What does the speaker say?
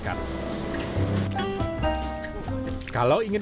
kalau ingin ketepatan ke kamar bisa mencari jalan ke kamar